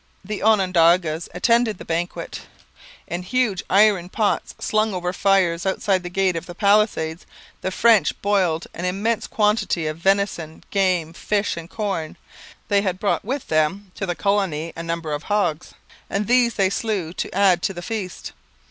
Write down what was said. The Onondagas attended the banquet. In huge iron pots slung over fires outside the gate of the palisades the French boiled an immense quantity of venison, game, fish, and corn. They had brought with them to the colony a number of hogs, and these they slew to add to the feast.